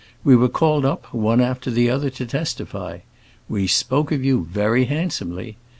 We were called up, one after the other, to testify. We spoke of you very handsomely.